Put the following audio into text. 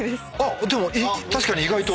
でも確かに意外と。